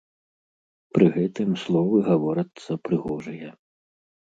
Пры гэтым словы гаворацца прыгожыя.